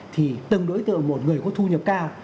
thì từng đối tượng một người có thu nhập cao